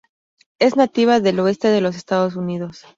Es nativa del oeste de los Estados Unidos.